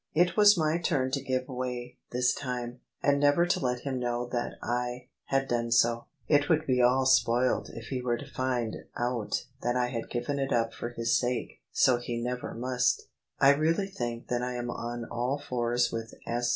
It was my turn to give way this time— and never to let him know that I had [ 287 ] THE SUBJECTION OF ISABEL CARNABY done so : it would be all spoilt if he were to find out that I had given it up for his sake, so he never must I really think that I am on all fours with S.